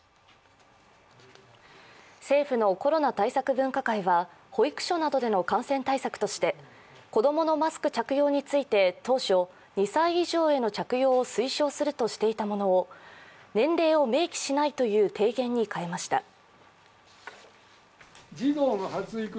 政府のコロナ対策分科会は保育所などでの感染対策として子供のマスク着用について当初、２歳以上への着用を推奨するとしていたものを年齢を明記しないという提言に変えました。